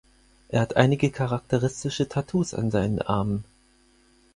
Er hat einige charakteristische Tattoos an seinen Armen.